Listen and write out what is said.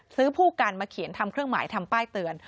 ผู้กันมาเขียนทำเครื่องหมายทำป้ายเตือน